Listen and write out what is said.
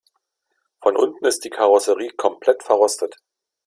Von unten ist die Karosserie komplett verrostet.